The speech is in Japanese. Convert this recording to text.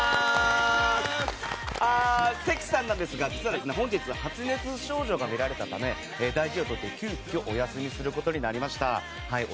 関さんなんですが、実は本日発熱症状がみられたため大事をとって急きょお休みすることにしました。